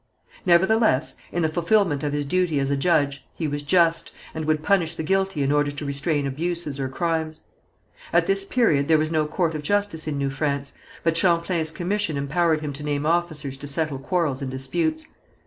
Nevertheless, in the fulfilment of his duty as a judge, he was just, and would punish the guilty in order to restrain abuses or crimes. At this period there was no court of justice in New France, but Champlain's commission empowered him to name officers to settle quarrels and disputes.